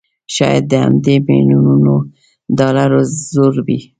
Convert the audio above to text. شايد د همدې مليونونو ډالرو زور وي